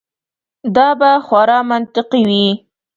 دا به خورا منطقي وي.